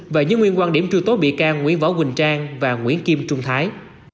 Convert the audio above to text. và dưới nguyên quan điểm truy tố bị can nguyễn võ quỳnh trang và nguyễn kim trung thái